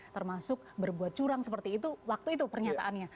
termasuk berbuat curang seperti itu waktu itu pernyataannya